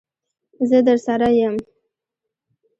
زه درسره یم.